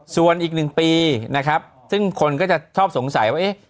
ส่วนอีก๑ปีนะครับซึ่งคนก็จะชอบสงสัยว่าเอ๊ะ